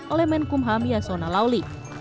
oleh menkum ham yasona lawli